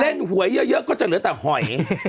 หวยเยอะก็จะเหลือแต่หอย